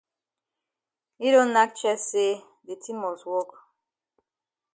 Yi don nack chest say de tin must wok.